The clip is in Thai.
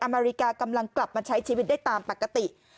อเมริกากำลังกลับมาใช้ชีวิตได้ตามปกติ